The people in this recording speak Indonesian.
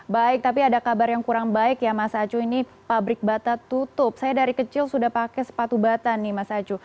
baik tapi ada kabar yang kurang baik ya mas acu ini pabrik bata tutup saya dari kecil sudah pakai sepatu bata nih mas acu